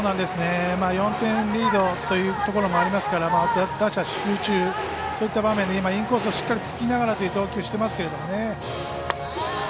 ４点リードというところもありますから打者集中、そういった場面でしっかりインコースをつきながらという投球をしていますけどね。